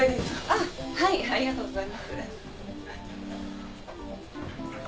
あっはいありがとうございます。